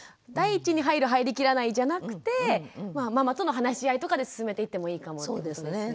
第一に入る入りきらないじゃなくてママとの話し合いとかで進めていってもいいかもってことですね。